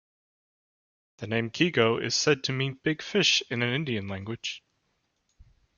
The name "Keego" is said to mean "big fish" in an Indian language.